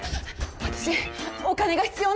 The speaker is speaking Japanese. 私お金が必要なんです。